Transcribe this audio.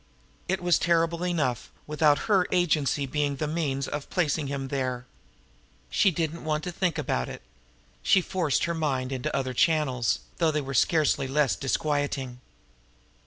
It was terrible enough without her agency being the means of placing him there! She did not want to think about it. She forced her mind into other channels, though they were scarcely less disquieting.